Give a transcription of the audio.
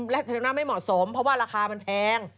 เล่นน้ำไม่เหมาะสมเพราะว่าราคามันแพง